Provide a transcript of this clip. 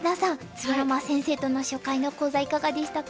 鶴山先生との初回の講座いかがでしたか？